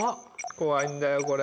怖いんだよこれ。